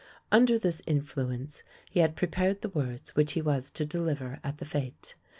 Under this influence he had prepared the words which he was to deliver at the fete.